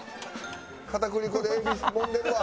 片栗粉でエビもんでるわ。